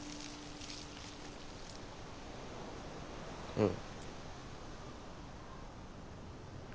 うん。